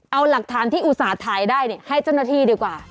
เอาหลักฐานที่อุตส่าห์ถ่ายได้ให้เจ้าหน้าที่ดีกว่า